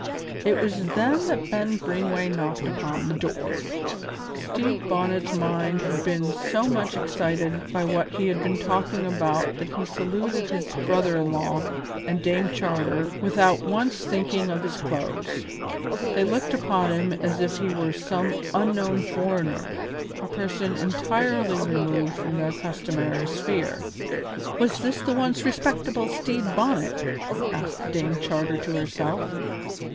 It was then that Ben Greenway knocked upon the door. Stede Bonnet's mind had been so much excited by what he had been talking about that he saluted his brother in law and Dame Charter without once thinking of his clothes. They looked upon him as if he were some unknown foreigner, a person entirely removed from their customary sphere. "Was this the once respectable Stede Bonnet?" asked Dame Charter to herself.